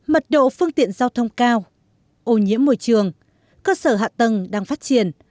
mật độ phương tiện giao thông cao ô nhiễm môi trường cơ sở hạ tầng đang phát triển